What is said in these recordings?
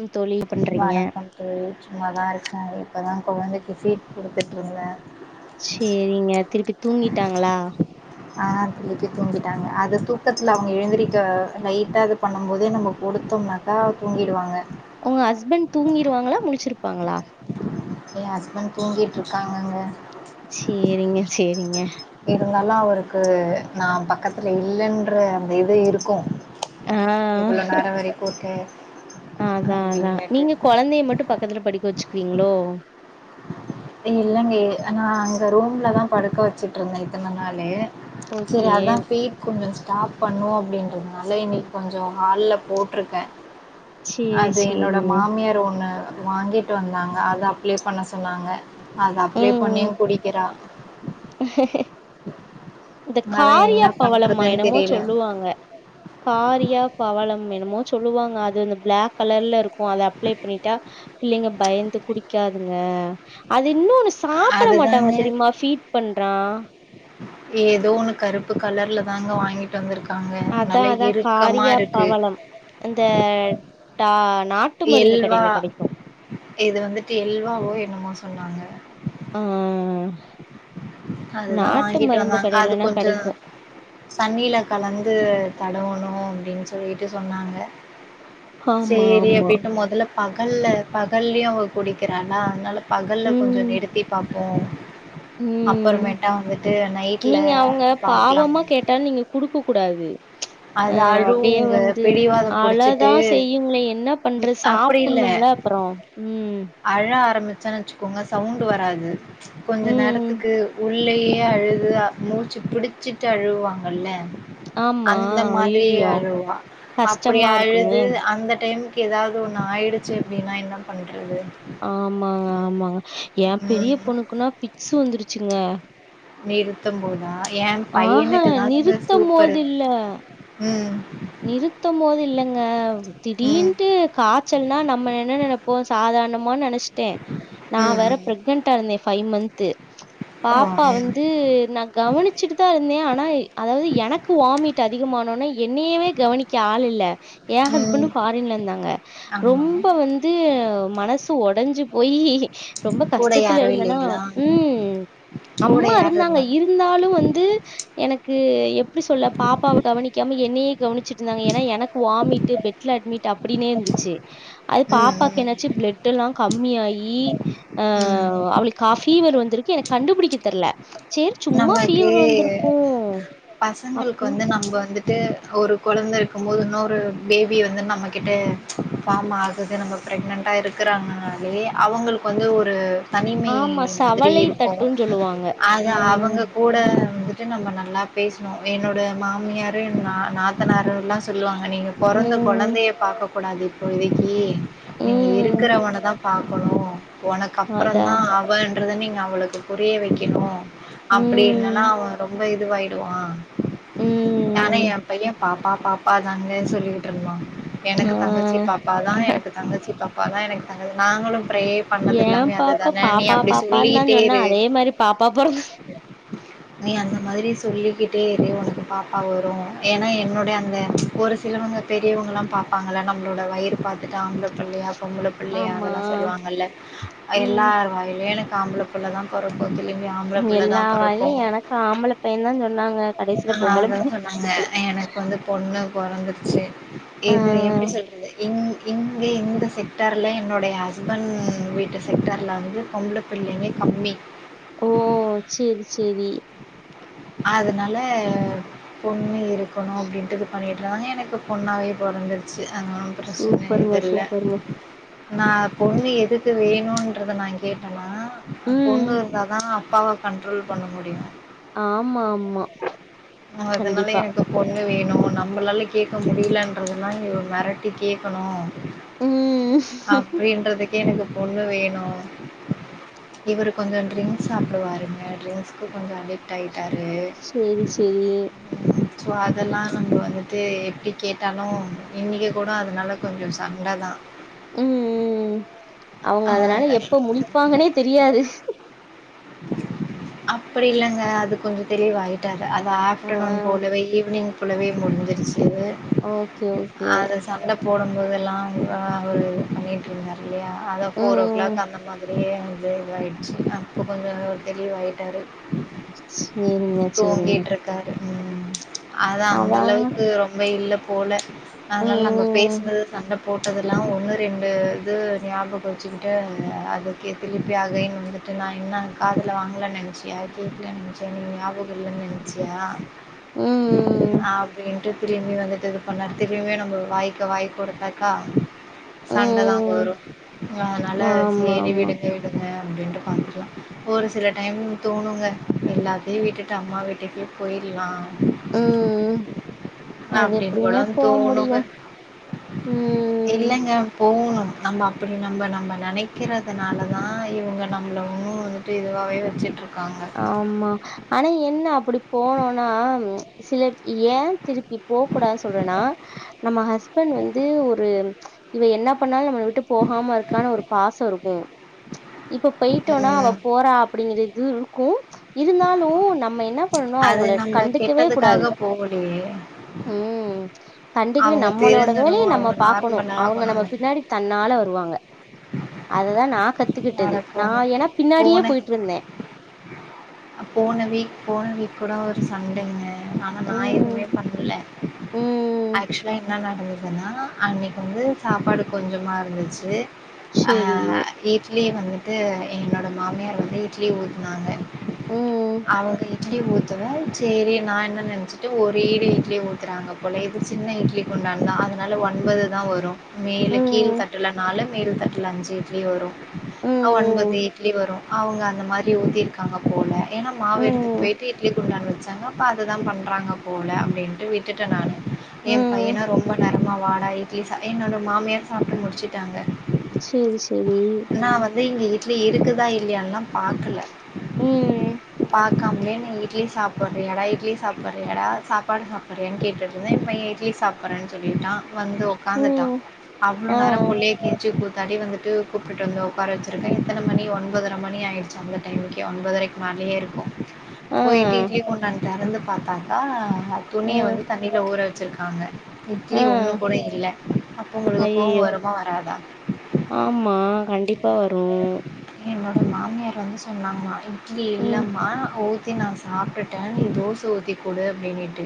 ம் தோழி பண்றீங்க வணக்கம் தோழி சும்மாதா இருக்கே இது இப்பதா கொழந்தைக்கி ஃபீட் குடுத்துட்ருந்தே சேரிங்க திருப்பி தூங்கிட்டாங்களா? ஆ குடிச்சு தூங்கிட்டாங்க அது தூக்கத்துல அவங்க எழுந்திரிக்க லைட்டா இது பண்ணும் போதே நம்ம குடுத்தம்னாக்கா தூங்கிடுவாங்க உங்க ஹஸ்பண்ட் தூங்கிருவாங்களா முழிச்சிருப்பாங்களா? ஏன் ஹஸ்பண்ட் தூங்கிட்டு இருக்காங்கங்க சேரிங்க சேரிங்க ந்தாலு அவருக்கு நா பக்கத்துல இல்லைன்ற அந்த இது இருக்கு ஆ இவ்ளோ நேரோ வரைக்கி ஊட்றே அதா அதா நீங்க கொழந்தைய மட்டு பக்கத்துல படுக்க வச்சு ப்பீங்களோ இல்லங்க நா அங்க ரூம்லதா படுக்க வச்சுட்டுருந்தே இத்தன நாளு செரி ஓகே அதா ஃபீட் கொஞ்சோ ஸ்டாப் பண்ணுவோ அப்டின்றதுனால இன்னைக்கி கொஞ்சோ ஹால்ல போட்ருக்கே சேரி அது என்னோட சேரிங்க மாமியார் ஒண்ணு வாங்கிட்டு வந்தாங்க அத அப்ளேஸ் பண்ண சொன்னாங்க அத அப்ளே பண்ணியு குடிக்கிறா ஹ இந்த அதான் என்ன காரியா பவளம்மா பண்றதுன்னு என்னமோ தெரியல. சொல்லுவாங்க காரியா பவளம் ம் என்னமோ சொல்லுவாங்க அது இந்த பிளாக் கலர்ல இருக் கு அத அப்ளை பண்ணிட்டா பிள்ளைங்க பயந்து குடிக்காதுங்க அ து இன்னொன்னு சாப்பட மாட்டாங்க அதுதாங்க தெரியுமா ஃபீட் பண்றா ஏதோ ஒன்னு கருப்பு கலர்லதாங்க வாங்கிட்டு வந்திருக் அதா அதா காரியா பவளம் இந்த டா நாட்டு மருந்து எல்வா கடையில கெடைக்கு இது வந்துட்டு எல்வாவோ என்னமோ சொ ன்னாங்க ஆ அதுதா நாட்டு வாங்கிட்டு மருந்து வந்தாங்க அது கடையிலனா கொஞ்சோ கெடைக்கு தண்ணில கலந்து தடவோணு அப்டின் சொல்லிட்டு சொன்னாங்க ஆமா சேரி ஆமா அப்டின்ட்டு மொதல்லப் பகல்ல பகல்லியு அவ குடிக்கிறான்னா அதுனால பகல்ல கொஞ்ச நிறுத்தி பாக் போம் உம் நைட்ல நீங்க அவுங்க பாக்கலா பாவமா கேட்டா நீங்க குடுக்க கூடாது அ அது அப்டியே அழுவுங்க வந்து பிடிவாதோ அவ்ளோதா புடிச்சிட்டு செய்யுங்களே என்ன பண்ற அப்டி இல்ல சாப்புணும்ல அப்புறோ உம் அழ ஆரம்பிச் ச்சானு வெச்சுக்கோங்க சவுண்டு வராது கொஞ்ச ம் நேரத்துக்கு உள்ளயே அழுது மூடிச்சு பிடிச்சிட்டு அழு வாங்குல்ல ஆமா அந்த மாரி ஐயயோ அழுவா அப்பிடி கஷ்டமா இருக்குமே அழுது அந்த டைம் ஏதாவது ஒன்று ஆயிடுச்சு அப்டின்னா என்ன பண்றது ஆமாங்க ஆமாங்க ஏ பெரிய ம் பொண்ணுக்குன்னா பிக்ஸ்சு வந்துருச்சுங்க நிறுத்தம் போதா ஏ ஆஹ பையனுக்குதாங்க சூப்பரு உம் நிறுத்த போது இல்லங்க ம் திடீன்ட்டு காய்ச்சல்னா நம்ம என்ன நெனப் இப்போ சாதாரணமா நெனச் ச்சுட்டே நா ம் வேற ம் பிரெக்னன்டா இருந்தே ஃபைவ் மந்த்து ஓ பாப்பா ம் வந்து நா கவனிச்சுட்டு தா இருந்தே ஆனா அதாவது எனக்கு வாமிட் அதிகமானோனே என் என்னையவே கவனிக்க ஆளு இல்ல எ ம் ஹஸ்பண்ட்டு ஃபாரின்ல இருந்தாங்க ஆமா ரொம்ப வந்து மனசு ஒ ஒடஞ்சு போயி ரொம்ப கூட கஷ்டத்துல யாரும் இருந்தன்னா இல்லைங்களா உம் கூட அம்மா யாரு இருந்தாங்க இருந்தாலு வந்து எனக்கு எப்பிடி சொல்ல பாப்பாவ கவனிக்க மே என்னையே கவனிச்சிட்டு இருந்தாங்க ஏன்னா எனக்கு வாமிட் பெட்ல அட்மிட் அப்பிடின்னே இருந்துச்சு அது பாப்பாக்கு என்னாச்சு ம் பிளட் எல்லா கம்மியாயி ஆ ம் ம் அவுளுக்கா ஃபீவர் வந் வந்துருக்கு எனக்கு கண்டுபிடிக்க தெர்ல சரி சும்மா ஃபீவர் நமக்கே வந்திருக்கும் பசங்களுக்கு அப்படின்னு வந்து நம்ப வந்துட் ட்டு ஒரு கொழந்த இருக்கும் போது இன்னொரு பேபி வந்து நம்ம கிட்ட ஃபாம் ஆகுது நம்ம ப்ரெக்னட்டா இருக்குறாங்கனாலே அவங்களுக்கு வந்து ஒரு தனிமை ஆமா மாதிரி சவலை இருக்கு தட்டுன் சொல்லுவாங்க அது உம் அவங்க கூட வந்துட் ட்டு நம்ம நல்லா பேஸ்னோ என்னோட மாமியாரு என் நா நாத்தனாரு ல்லா சொல்லுவாங்க நீங்க பொறந்த ம். கொழந்தைய பாக்கக் பாக்க கூடாது இப்போதைக்கு நீங்க ம். இருக்குறவனதா பாக்கணு உனக்கு அப்பறந்தா அதான். அவன் ன்றத நீங்க அவளுக்கு புரிய வெக்கணு அப்டினல்லா ம். அவ ரொம்ப இது இதுவாயிடுவா நானே எ ம். பைய பாப்பா பாப்பா தானே சொல்லிகிட்டு இருந்தோ எனக்கு ஆ. தங்கச்சி பாப்பாதா எனக்கு தங்கச்சி பாப் அப்பதா எனக்கு தங்கது நாங்களும் ஏம் பாப்பா பாப்பா பாப்பான்தா சொல்லிக்கிட்டே சொன்னா இரு அதே மாரி பாப்பா பொறந்துச் நீ அந்த மாரி ரி சொல்லிக்கிட்டே இரு உனக்கு பாப்பா வரு ஏன்னா என்னுடைய அந்த ஒரு சிலவங்க பெரியவங்கலாம் பாப்பாங்கள நம்மளோட வயிறு பாத்துட்டு ஆம்பளப் புள்ளையா பொம்பள ஆமா. புள்ளையானுல்லா சொல்லுவாங்கல்ல ம். எல்லாரு வாயிலியு எனக்கு ஆம்பள புள்ளதா பொறக்க போகுது இதுவே ஆம்பளப் எல்லா வாயிலி எனக்கு ஆம்பள பையந்தா சொன்னாங்க கடசில ஆஹ் பொம்பள புள்ள பொறந்துருச்சு இது எப்டி சொல்றது இங் இங்கே இந்த செக்டாருல என்னோடைய ஹஸ்பண்ட் வீட்டு செக்டாருல வந்து பொம்பள புள்ளைங்க கம்மி ஓ ச்சேரி ச்சேரி அதனால பொண்ணு இருக்கணு அப்டின்டு இது பண்ணிட்டு இருந்தாங்க எனக்கு பொண்ணாவே பொறந்துருச்சு அது ஒன்னு பிரச்சன சூப்பருங்க, இது இல்ல சூப்பருங்க. நா பொண்ணு எதுக் க்கு வேணுன்றத நா கேட்டனா அ ம். பொண்ணு இருந்தாதா பவப் கண்ட்ரோல் பண்ண முடியு ஆமா ஆமா கண்டிப்பா வேணு நம்மளால கேக்க முடிலன்றதுல்லா இ மெரட்டி கேக்கணு ம் எனக்கு பொண்ணு வேணு இவரு கொஞ்சொ ட்ரிங்ஸ் சாப்டுவாருங் க ட்ரிங்ஸ்கு கொஞ்ச அடிக்ட் ஆயிட்டாரு சரி, சரி. ஸோ அதல்லா நம்ம வந்துட்டு எப்டி கேட்டாலு இன்னக்கி கூட அதுனால கொஞ்சொ சண்ட தா ம் ம் அவுங்க ஆ அதுனால எப்ப முழிப்பாங்கனே தெரியாது அப்பிடி இல்லங்க அது கொஞ்ச தெளிவாயிட்டா ரு அது ஆ. ஆஃப்டனூன் போலவே ஈவினிங் போலவே முடுஞ்சுருச் சு ஓகே, ஓகே. அது சண்ட போடும்போதெ ல்லா வ அவரு பண்ணிட்ருந்தாரு இல்லயா அத ஃபோர் ஓ ம். கிளாக் அந்த மாதிரியே [unintelligible] இதாயிட்ச்சு அப்ப [unintelligible] தெளிவாயிட்டாரு சேரிங்க சேரிங்க அதா அந்த அளவுக்கு ரொம்ப இல்ல போல ஆனால் நம்ம ம். பேசுனது சண்ட போட்டதெல்லா ஒன்னு ரெண்டு இது ஞாபக வச்சுக்கிட்டு அதுக்கே திருப்பி அகைன் வந்துட்டு நா என்ன கா துல வாங்லன் நென்ச்சியா கேக்லன் நெனச்சியா எனக்கு ஞாபகொ இல்லன் நென்ச்சியா ம். ஆப்டீன்ட்டு திரும்பி வந்துட்டு இது பண்ணாரு திரும்பியு நம்ப வாய்க்கு வாய் குடுத்தாக்கா சண்ட தாங்க வரு ம். ஆனால ஆமா, சேரி ஆமா. விடுங்க விடுங்க அப்டின்டு [unintelligible] ஒரு சில டைமிங் தோணுங்க எல்லாத்தையு விட்டுட்டு அம்மா வீட்டுக்கே போயிர்லா ம் அப்டின்னு அதெப்டிங்க கூட போ தோணுங்க முடியு ம் ம் இல்லங்க போகணு நம்ம அப்பிடி நம்ப நம்ப நெனைக்கிறதுனாலதா இவுங்க நம்ள உன்னு வந்து ட்டு இதுவாவே வச்சுட்ரு ஆமா ஆனா என்ன அப்பிடி போனோனா சில ஏ திருப்பி போ குடாது சொல்றேனா நம்ம ஹஸ்பண்ட் வந்து ஒரு இவ என்ன பண்ணாலு நம்ம ள‌ விட்டு போகாம இருக்கானு ஒரு பா ச இருக்கு இப்ப பொயிட்டோனா அவ ம் போறா அப்பிடிங்கிற து இரு க்கு இருந்தாலு நம்ம என்ன பண்ணனு அது அவங்கள நம்ம கண்டுக்கவே கூடாது கெட்டதுக்காக போகலையே ம் கண்டுக்கவே அவங்க நம்மளோட திருந்தணு வேலைய நம்ம அவங்க பாக்கணு நார்மல் அவங்க நம்ம ஆகணுங்க பின்னாடி தன்னால வருவாங்க அததா நா கத்துக்கிட்டது நா நடக்குங்க ஏன்னா பின்னாடியே போயிட்ருந்தே அ போன வீக் போன வீக் கூட ஒரு சண்டைங்க ஆனா நா ம், எதுவுமே பண்ல ம். ஆக்சுவலா என்ன நடந்த துனா அன்னக்கி வந்து சாப்பாடு கொஞ்சமா இருந்துச்சு சரி. ஆ இட் லி வந்துட்டு என்னோட மாமியார் வந்து இட்லி ஊத்துனாங்க ம், அவங்க இட்லி ஊத்தவு செரி நா என்ன நெனைச்சிட்ட ஒரு ஈடு இட்லி ஊத்துறாங்க போல இது சின்ன இட்லி குண்டாதா அதனால ஒன்பதுதா வரு மேலு கீழ் ம், தட்டுல நாலு மேல் தட்டுல அஞ்சு இட்லி வரு ஆ ஒன்பது ம், இட்லி வரு அவங்க அந்த மாரி ஊத்திருக்காங்க போல ஏன்னா மாவு எடுத்துட்டு ம், போயிட்டு இட்லி குண்டால வச்சாங்க அப்ப அதுதா பண்றாங்க போல அப்டின்ட்டு விட்டுட்ட நானு ஏன் ம். பையனு ரொம்ப நேரமா வாடா இட்லி சா என்னோட மாமியார் சாப்ட்டு முடிச்சு செரி செரி நா வந் து இங்க இட்லி இருக்குதா இல்லையான்லா பாக்கல ம், பாக் காமலே நீ இட்லி சாப்பட்றயாடா இட்லி சாப்பட்றயாடா சாப்பாடு சாப்படறயான்னு கேட்டுட்ருந்தே ஏன் பைய இட்லி சாப்பட்றேன்னு சொல்லிட்டா வந்து உக்காந்துட்டா ம். அவ்ளோ ஆ, நேரோ புள்ளைய கெஞ்சி கூ த்தாடி வந்துட்டு கூப்புட்டு வந்து உக்கார வச்சிருக்கே எத்தன மணி ஒன்பதரை மணி ஆயிடுச்சு அவ்ளோ டைமுக்கே ஒன்பதரைக்கு மேலயே இருக்கு ஆ, போயிட்டு இட்ல குண்டான தெறந்து பாத்தாக்கா ஆ துணிய ம், வந்து தண்ணில ஊற வச் சுருக்காங்க இட்லி ஆ. ஒண்ணு கூட இல்ல அப்ப உங்களுக்கு கோவோ ஐயய்யோ! வருமா வராதா? ஆமா, கண்டிப்பா வரு என்னோட மாமியார் வந்து சொன்னாங்களா இ ட்லி ம், இல்லம்மா ஊத் த்தி நா சாப்ட்டுட்டேன் நீ தோச ஊத்தி கொடு அப்டின்னிட்டு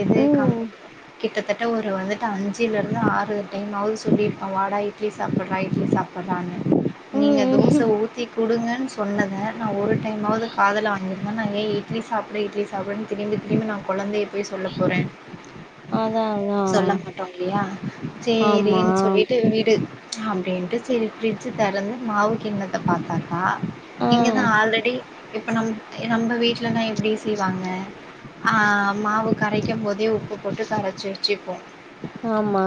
எது கம் ம், கிட்டத்தட்ட ஒரு வந்துட்டு அஞ்சுலருந்து ஆறு டைம்மாவது சொல்லியிருப்பே வாடா இட்லி சாப்ட்ற இட்லி சாப் பிரானு நீங்க தோச ம். ஊத்தி குடுங்கன் சொன்னத நா ஒரு டைம்மாவது காதுல வங்கி ஆ நாங்க இட்லி சாப்ட்ட இட்லி சாப்ன் திரும்பி திரும்பி நா குழந்தைய போய் சொல்ல போறேன். அதான், சொல்ல அதான். மாட்டோம் இல்லையா ஆமா. சேரின் சொல்லிட்டு விடு அப்டின்ட்டு சரி ஃப்ரிட்ஜு திறந்து மாவு கிண்ணத்த பார்த்தாரு ஆ ஆ. இங்கதா ஆல் ரெடி இப்ப நம் நம்ப வீட்லல்லாம் எப்டி செய்வாங்க ஆஹ மாவு கரைக்கும் போதே உப்பு போட்டு கரைச்சு வச்சுப்போம். ஆம்மா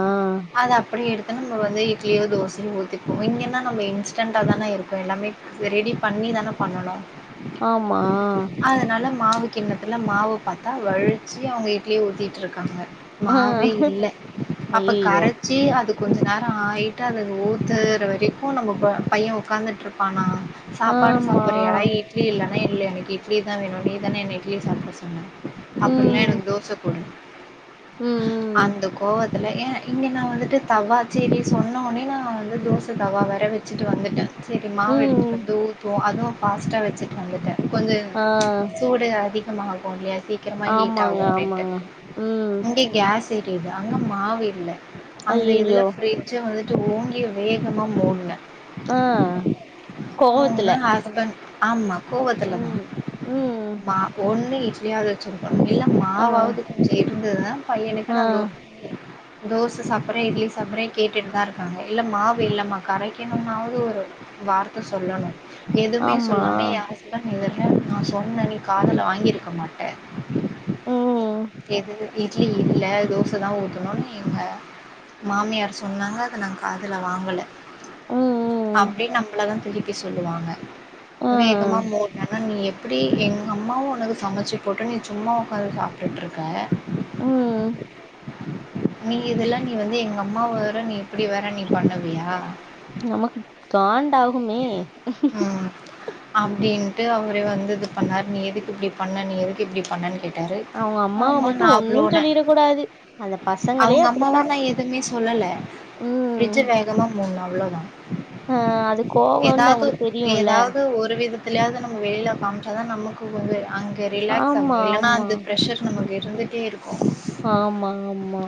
நம்ம வந்து இட்லியோ தோசையோ ஊத்தி இங்கன்னா நம்ப இன்ஸ்டன்ண்டா தானே இருக்கும் எல்லாமே ரெடி பண்ணி தானே பண்ணணும் ஆம்மா மாவு கிண்ணத்துல மாவு பாத்தா வழுச்சி அவங்க இட்லி ஊத்திட்டுருக்காங்க. ஆ மாவே இல்ல அப்ப ஐயையோ! கரைச்சி அது கொஞ்ச நேர ஆயிட்டு அதுக் ஊத்து [unintelligible] வரைக்கும் நம்ப பை பையன் உக்காந்துட்டுருப்பானா. சாப்பாடு ஆமா. சாப்றியா இட்லி இல்ல இல்ல எனக்கு இடலி தா வேணும் நீ தான என்ன இட்லி சாப்டா சொன்னே அப்புடல்லா எனக்கு தோச ககுடு ம்ம்ம் ஏ இங்க நா வந்துட்டு தவா செரி சொன்னோனு நா வந்து தோஸ் [unintelligible] தவா வேற வச்சிட்டு வந்துட்ட செரி ம். மாவு எடுத்துட்டு ம். வந்து ஊத்துவோம் அதுவும் ஃபாஸ்டா வச்சுட்டு வந்துட்ட கொஞ்ச ஆ. சூடு அதிக் [unintelligible] சீக்கிரமா ஹீட் ஆமாங்க, ஆகும் அப்டின்ட்டு ஆமாங்க. ம். இங்க கேஸ் தெரிகிது அங்க மாவு இல்ல அந்த இதுல ஐயையோ! ஃப்ரிட்ஜ்ஜா வந்துட் தூங்கி வே கமா மூட்ன ஆ கோவத்துல ஆமா கோவத்துல தா ம். ம். மா ஒன்னி ஃபிரிட்ஜிலயாது வச்சு மில்ல ஆ. மாவாவுது கொஞ்ச இ [unintelligible] பையனுக்கு ஆ. நாந்தோ [inaudible] தோச சாப்புறே இ்ட்லி சாப்புறே கேட்டுட்தா இருக்காங்க இல்ல மா வு இல்லமா கரைக்கணுன்னாவுது ஒரு வார்த்த சொல்லணு எதுமே ஆமா. சொல்லாம எ ஹஸ்பண்ட் [unintelligible] நா சொன்ன நீ காதுல வாங்கிருக்க மாட்ட ம். எது இட்லி இல்ல தோச தா ஊத்தணுனு எங்க மாமியார் சொன்னாங்க அத நா காதுல வாங் கல ம். ம். அப்டின் நம்பளதா திருப்பி சொல்லுவாங்க ஆ. வேகமா மோதுனனா நீ எ ப்பிடி எங்க அம்மா ஒனக்கு சமச்சி போட்டு நீ சும்மா ஒக்காந்து சாப்டுட்ருக்க ம் நீ இதெல்லா நீ வந்து எங்கம்மாவ ‌வேற நீ இப்பிடி வேற நீ பண்ண வியா நமக்கு கான் டாகுமே ம் அப்டின்ட்டு அவரெ வந்து இது பண்ணாரு நீ எதுக்கு இப்டி பண்ண நீ எதுக்கு இப்டி பண்ணன் கேட் டாரு அவங்க அம்மாவ ஆமா நா மட்டும் ஒண்ணும் அவ்ளோன சொல்லிறக்கூடாது. அந்த பசங்களே அவுங்க அம்மாவ அப்படித்தான். நா எதுமே சொல்லல ம். ஃப்ரிட்ஜ வேகமா மூன்னெ அவ்ளொதா ஆ அது கோவம்னு எதாது அவங்களுக்கு தெரியும்ல. எதாவ்து ஒரு விதத்திலயாவ்து நம்ம வெளில காம்ச்சா தா நமக்கு கொஞ்ச அங் க ரிலாக்ஸ் ஆகு ஆமா, இல்லன்னா ஆமா, அந்த பிரஷர் நமக்கு இ ருந்துட்டே இரு ஆமா ஆமா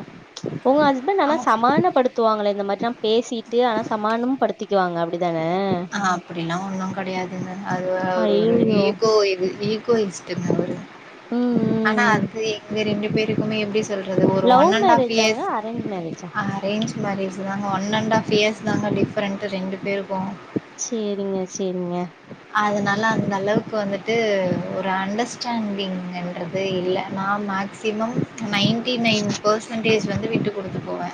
உங்க ஹஸ்பண்ட் ஆனா சமானப்படுத்துவாங்கள இந்த மாரிலா பேசிட்டு ஆனா சமானமும் படுத்திக்கிவாங்க அ ஆ அப்டில்லா ஒன்னு கடையாதுங்க அது அவர் ஒரு ஐய்யய்யோ! ஈகோ இ து ஈகோயிஸ்ட்டுங்க அவரு ம், ஆனா ம், ம். அது எங்க ரெண்டு ரெண்டு பேருக்குமே எப்டி சொல்றது ஒரு லவ் ஒன் அண்ட் ஹாஃப் மேரேஜாங்க? இயர்ஸ் அரேஞ்ச் மேரேஜா? அரேஞ்ச் மேரேஜ்தாங்க ஒன் அண்ட் ஹாஃப் இயர்ஸ்தாங்க டிஃப்ரெண்ட் ரெண்டு பேருக்கு சேரிங்க சேரிங்க ல அந்த அளவுக்கு வந்துட்டு ஒரு அண்டர்ஸ்டாண்டிங்கன்றது இல்ல நா maximum ninety nine percentage வந்து விட்டு குடுத்து போவே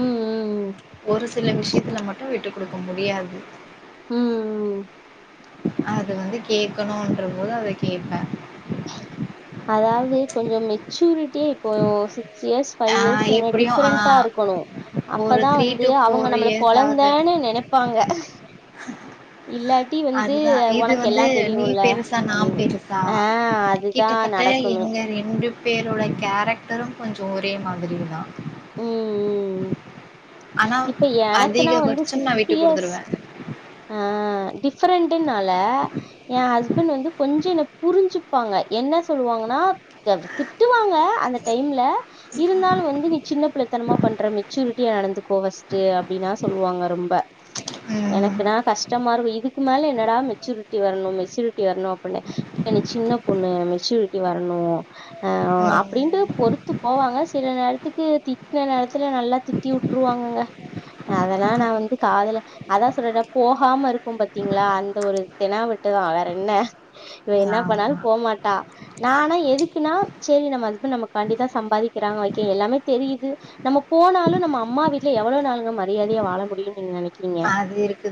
ம், ம், ம். ஒரு சில விஷயத்துல மட்டு விட் டு குடுக்க முடியாது ம் ம் அது வந்து கேக்கணுன்ற போது அத கேப்பே அதாவது கொஞ்ச மெச்சூரிட்டியே இப்போ சிக்ஸ் இயர்ஸ் ஃபைவ் இயர்ஸ்ங்க எப்படியும் டிஃபரெண்டா இருக்கணு ஒரு அப்பதா த்ரீ வந்து டு அவங்க ஃபோர் நம்மள இயர்ஸ் ஆகுது கொழந்தைன்னு நெனப்பாங்க இல்லாட்டி வந்து அதுதா இது உனக்கு எல்லா வந்து நீ தெரியும்ல பெருசா நா அப்டின்னு. பெருசா ஆ அதுதான் கிட்டத்தட்ட நடக்குமே. எங்க ரெண்டு பேரோட கேரக்டரு கொஞ் சோ ஒரே மாதிரிதா ம், ம். [inaudible] இப்ப எனக்குன்னா வந்து அதிகபட்சம் நா சிக் விட்டு இயர்ஸ் குடுத்துருவே ஆ டிஃப் ரண்ட்டுனால ஏன் ஹஸ்பண்ட் வந்து கொஞ்ச என்ன புரி ஞ்சுப்பாங்க என்ன சொல்வாங்கன்னா அது திட்டுவாங்க அந்த டைம்ல இருந்தாலு வந்து நீ சின்ன பிள்ளைத்தனமா பண்ற மெச்சூரிட்டியா நடந்து க்கோ ஃபஸ்ட்டு அப்டின்னா சொல்வாங்க ரொம்ப ம் எனக்குனா கஷ்டமா இருக்கு இது க்கு மேல என்னடா மெச்சூரிட்டி வரணு மெச்சூரிட்டி வரணு அப்டினு அ நீ சின்ன பொண்ணு மெச்சூரிட்டி வரணு ஆ அப்டின்ட்டு ம் பொறுத்து போவாங்க சில நேரத்துக்கு திட்ன நேரத்துல நல்லா திட்டி உ ட்ருவாங்கங்க அதெல்லா நா வந்து காதுல அதா சொல்றனே போகாம இருக்கோ பாத்தீங்களா அந்த ஒரு தெனாவட்டுதா வேற என்ன இவ என்னா பண்ணாலு ஆமா போமாட் டா நானா எதுக்குன்னா செரி நம்ம ஹஸ்பண்ட் நமக்காண்டிதா சம்பாதிக்கிறாங்க ஓகே எல்லாமே தெரியுது நம்ம போனாலு நம்ம அம் மா வீட்ல எவ்ளோ நாளுங்க மரியாதையா வாழ முடியுன்னு நீங்க நெனை அது இருக்குது